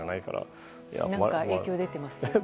何か影響が出てますか？